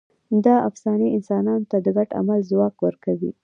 دا افسانې انسانانو ته د ګډ عمل ځواک ورکوي.